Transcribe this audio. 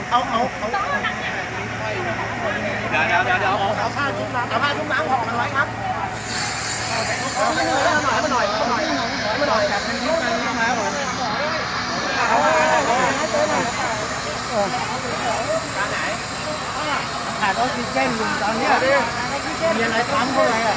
สวัสดีครับทุกคน